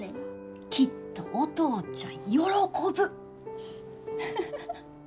きっとお父ちゃん喜ぶ。